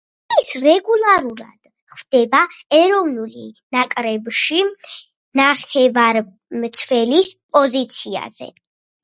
ის რეგულარულად ხვდება ეროვნულ ნაკრებში ნახევარმცველის პოზიციაზე.